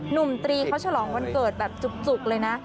ตรีเขาฉลองวันเกิดแบบจุกเลยนะ